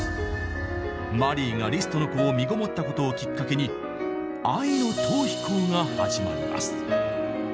マリーがリストの子をみごもったことをきっかけに愛の逃避行が始まります。